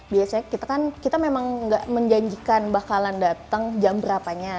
biasanya kita kan kita memang nggak menjanjikan bakalan datang jam berapanya